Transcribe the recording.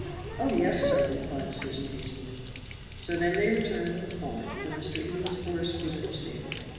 "Oh, yes, sir!" replied Susan, hastily. So then they returned to the farm, for Mr. Eden's horse was in the stable.